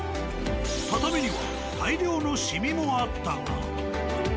畳には大量のシミもあったが。